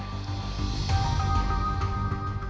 sebenarnya rituan kamil menanggapi santai gugatan panji gumilang tersebut